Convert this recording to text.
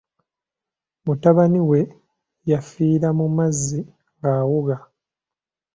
Mutabani we yafiira mu mazzi ng’awuga.